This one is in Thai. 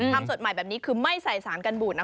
สดใหม่แบบนี้คือไม่ใส่สารกันบูดนะ